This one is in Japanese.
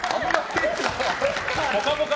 「ぽかぽか」